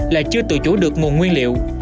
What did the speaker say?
là chưa tự chủ được nguồn nguyên liệu